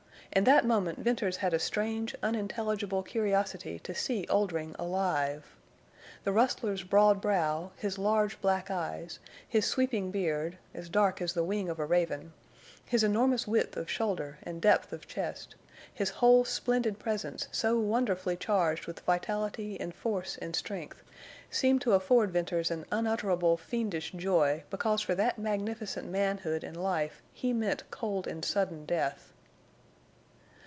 In that moment Venters had a strange, unintelligible curiosity to see Oldring alive. The rustler's broad brow, his large black eyes, his sweeping beard, as dark as the wing of a raven, his enormous width of shoulder and depth of chest, his whole splendid presence so wonderfully charged with vitality and force and strength, seemed to afford Venters an unutterable fiendish joy because for that magnificent manhood and life he meant cold and sudden death.